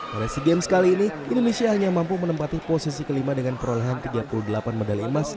pada sea games kali ini indonesia hanya mampu menempati posisi kelima dengan perolehan tiga puluh delapan medali emas